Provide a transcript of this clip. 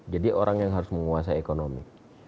jadi orang yang harus menguasai ekonomi